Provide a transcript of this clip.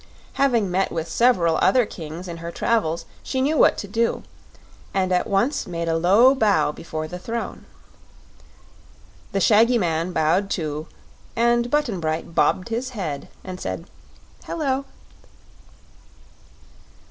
Having met with several other kings in her travels, she knew what to do, and at once made a low bow before the throne. The shaggy man bowed, too, and Button Bright bobbed his head and said "Hello."